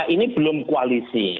ini belum koalisi